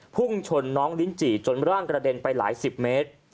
พุ่งชนน้องลิ้นจี่จนร่างกระเด็นไปหลายสิบเมตร